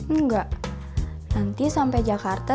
enggak nanti sampai jakarta